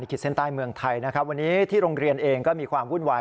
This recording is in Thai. ขีดเส้นใต้เมืองไทยนะครับวันนี้ที่โรงเรียนเองก็มีความวุ่นวาย